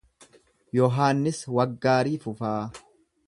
Yohaannis Waggaarii Fufaa